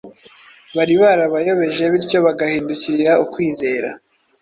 bari barabayobeje bityo bagahindukirira ukwizera